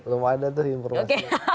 lumayan ada tuh informasi